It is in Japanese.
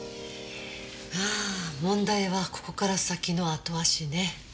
ああ問題はここから先のアトアシね。